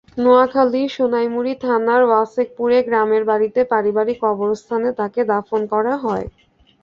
নোয়াখালীর সোনাইমুড়ী থানার ওয়াসেকপুরে গ্রামের বাড়িতে পারিবারিক কবরস্থানে তাঁকে দাফন করা হয়।